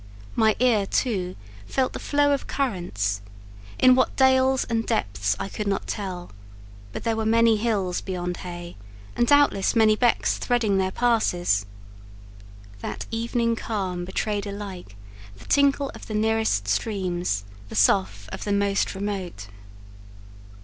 My ear, too, felt the flow of currents; in what dales and depths I could not tell: but there were many hills beyond Hay, and doubtless many becks threading their passes. That evening calm betrayed alike the tinkle of the nearest streams, the sough of the most remote.